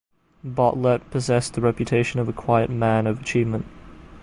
Bartlett possessed the reputation of a quiet man of achievement.